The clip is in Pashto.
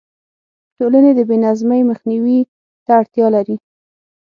ټولنې د بې نظمۍ مخنیوي ته اړتیا لري.